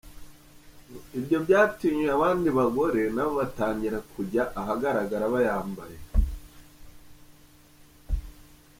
Ibyo byatinyuye abandi bagore nabo batangira kujya ahagaragara bayambaye.